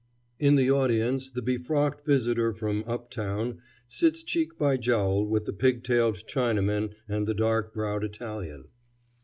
In the audience the befrocked visitor from up town sits cheek by jowl with the pigtailed Chinaman and the dark browed Italian.